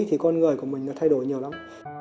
thì con người của mình nó thay đổi nhiều lắm